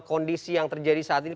kondisi yang terjadi saat ini